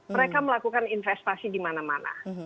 mereka melakukan investasi di mana mana